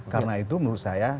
karena itu menurut saya